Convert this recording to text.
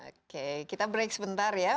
oke kita break sebentar ya